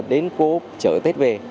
đến cố chở tết về